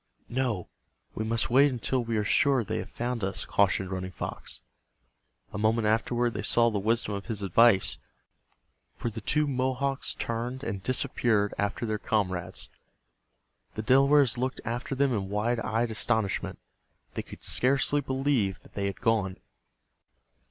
"No, we must wait until we are sure they have found us," cautioned Running Fox. A moment afterward they saw the wisdom of his advice, for the two Mohawks turned and disappeared after their comrades. The Delawares looked after them in wide eyed astonishment. They could scarcely believe that they had gone.